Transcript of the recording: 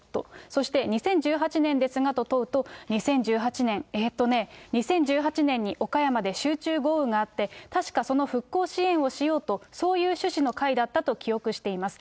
そして２０１８年ですがと問うと、２０１８年、えーっとね、２０１８年に岡山で集中豪雨があって、確かその復興支援をしようと、そういう趣旨の会だったと記憶しています。